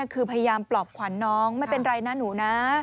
คือพยายามปลอบขวัญน้องไม่เป็นไรนะหนูนะ